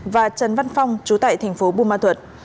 và trần văn phong chú tại tp bùn ma thuật